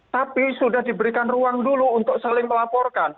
tapi sudah diberikan ruang dulu untuk saling melaporkan